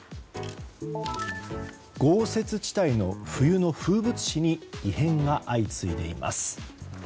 豪雪地帯の冬の風物詩に異変が相次いでいます。